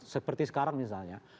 seperti sekarang misalnya